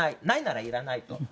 ないならいらないと。